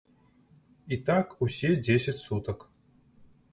І так усе дзесяць сутак.